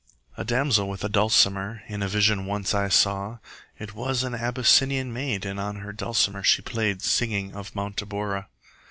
A damsel with a dulcimer In a vision once I saw: It was an Abyssinian maid, And on her dulcimer she play'd, 40 Singing of Mount Abora.